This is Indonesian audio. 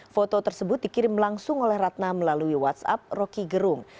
foto tersebut dikirim langsung oleh ratna melalui whatsapp rocky gerung